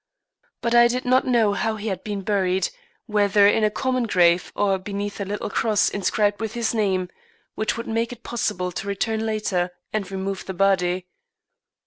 But I did not know how he had been buried, whether in a common grave, or beneath a little cross inscribed with his name, which would make it possible to return later and remove the body.